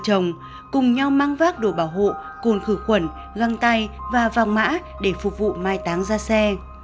chồng cùng nhau mang vác đồ bảo hộ cồn khử khuẩn găng tay và vàng mã để phục vụ mai táng ra xe